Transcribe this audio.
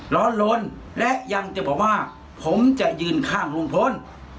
ร้อนล้นและยังจะบอกว่าผมจะยืนข้างลุงพล